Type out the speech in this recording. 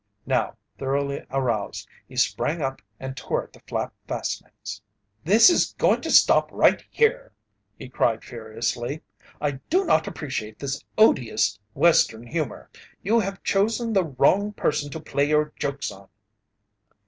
Now thoroughly aroused, he sprang up and tore at the flap fastenings. "This is going to stop right here!" he cried, furiously. "I do not appreciate this odious Western humour. You have chosen the wrong person to play your jokes on!"